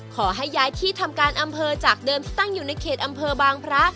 ขอให้ย้ายที่ทำการอำเภอจากเดิมที่ตั้งอยู่ในเขตอำเภอบางพระ